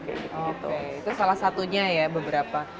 itu salah satunya ya beberapa